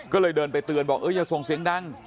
ก็เลยเดินไปเตือนบอกอย่าส่งเสียงดัง